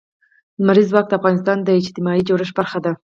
لمریز ځواک د افغانستان د اجتماعي جوړښت برخه ده.